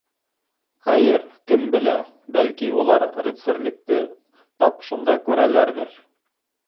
Хәйер, кем белә, бәлки, улар рыцарлекте тап шунда күрәләрҙер.